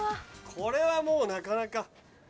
これはもうなかなか。